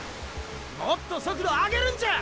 もっと速度上げるんじゃ！